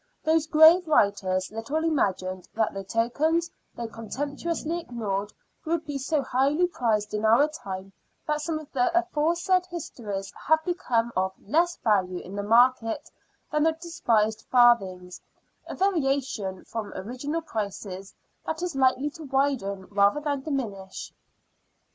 Those grave writers little imagined that the tokens they contemptu ously ignored would be so highly prized in our time that some of the aforesaid histories have become of less value in the market than the despised farthings — a variation from original prices that is likely to widen rather than diminish.